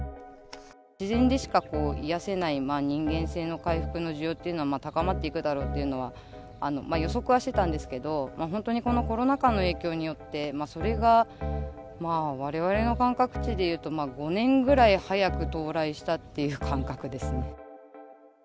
自然でしか癒やせない人間性の回復の需要というのは高まっていくだろうというのは、予測はしてたんですけど、本当にこのコロナ禍の影響によって、それがわれわれの感覚値でいうと、５年ぐらい早く到来したっていう感覚ですね。